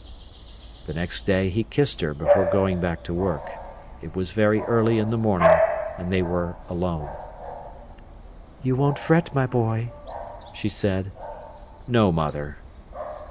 The next day he kissed her before going back to work. It was very early in the morning, and they were alone. "You won't fret, my boy!" she said. "No, mother."